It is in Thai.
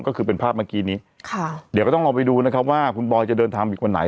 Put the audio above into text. ก็คือเป็นภาพเมื่อกี้นี้ค่ะเดี๋ยวก็ต้องลองไปดูนะครับว่าคุณบอยจะเดินทางอีกวันไหน